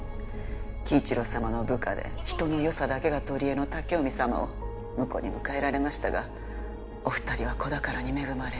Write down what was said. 輝一郎様の部下で人の良さだけが取りえの武臣様を婿に迎えられましたがお二人は子宝に恵まれず。